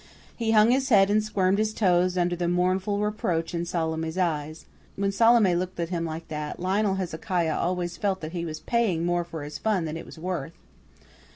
He hung his head and squirmed his toes under the mournful reproach in Salome's eyes. When Salome looked at him like that, Lionel Hezekiah always felt that he was paying more for his fun than it was worth.